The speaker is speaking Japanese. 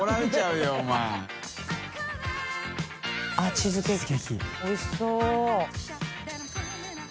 チーズケーキおいしそう。